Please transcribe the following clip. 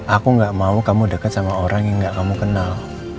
aku gak mau kamu deket sama orang yang gak kamu kenal